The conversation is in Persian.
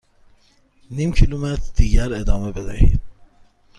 نیم کیلومتر دیگر ادامه بدهید.